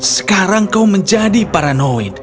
sekarang kau menjadi paranoid